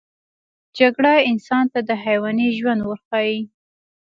جګړه انسان ته د حیواني ژوند ورښيي